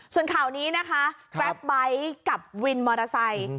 ส่วนข่าวนี้แกร็พไบต์กับวินมอเตอร์ไซต์